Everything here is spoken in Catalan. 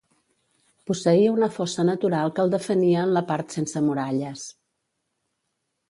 Posseïa una fossa natural que el defenia en la part sense muralles.